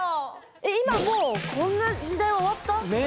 えっ今もうこんな時代は終わった？ね。